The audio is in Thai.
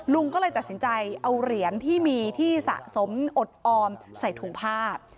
ลุงก็เลยตัดสินใจเอาเหรียญที่มีที่สะสมอดออมใส่ถุงผ้า